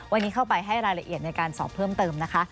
วันนี้เข้าไปให้รายละเอียดในการสอบเพิ่มเติมนะคะ